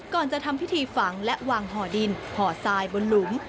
ก่อนจะทำพิธีฝังและวางห่อดินห่อทรายบนหลุม